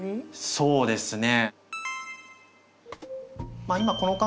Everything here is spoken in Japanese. そうなんですね。